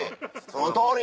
そのとおり！